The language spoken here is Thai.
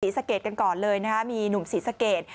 สีสะเกดกันก่อนเลยนะครับมีหนุ่มสีสะเกด